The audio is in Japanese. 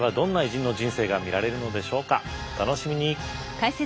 お楽しみに。